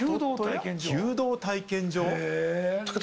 弓道体験場？